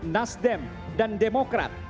nasdem dan demokrat